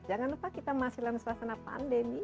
jangan lupa kita masih dalam suasana pandemi